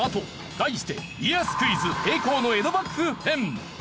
題して「家康クイズ栄光の江戸幕府編」。